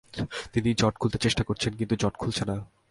তিনি জট খুলতে চেষ্টা করছেন, কিন্তু জট খুলছে না।